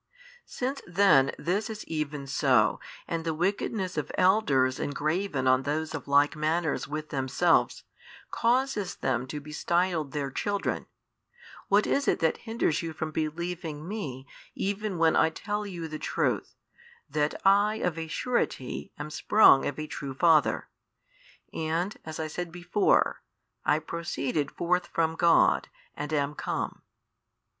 Since then this is even so and the wickedness of elders engraven on those of like manners with themselves, causes |657 them to be styled their children, what is it that hinders you from believing Me even when I tell you the truth, that I of a surety am sprung of a True Father, and (as I said before) I proceeded forth from God and am come?